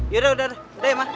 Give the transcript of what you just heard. yaudah udah udah